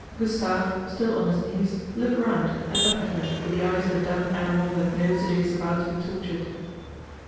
Gustave, still on his knees, looked round and up at her with the eyes of a dumb animal that knows it is about to be tortured.